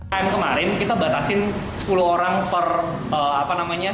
ppkm kemarin kita batasin sepuluh orang per bulan